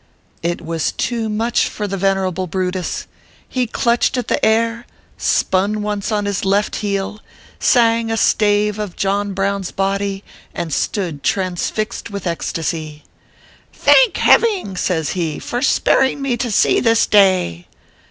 It was too much for the venerable Brutus ; he clutched at the air, spun once on his left heel, sang a stave of John Brown s body, and stood transfixed with ecstacy. " Thank Heving," says he, " for sparing me to see this day